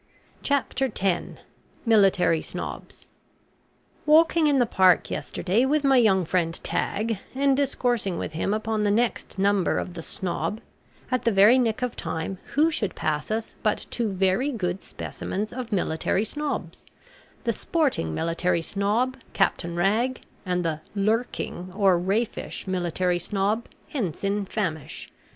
CHAPTER X MILITARY SNOBS Walking in the Park yesterday with my young friend Tagg, and discoursing with him upon the next number of the Snob, at the very nick of time who should pass us but two very good specimens of Military Snobs, the Sporting Military Snob, Capt. Rag, and the 'lurking' or raffish Military Snob, Ensign Famish.